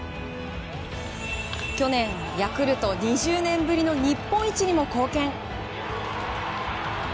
去年、ヤクルト２０年ぶりの日本一にも貢献。